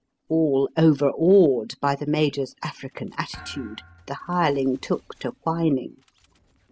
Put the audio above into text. All overawed by the Major's African attitude, the hireling took to whining.